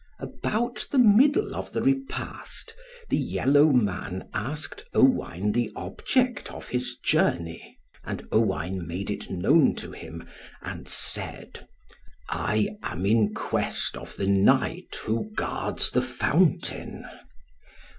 About the middle of the repast the yellow man asked Owain the object of his journey. And Owain made it known to him, and said, "I am in quest of the Knight who guards the fountain."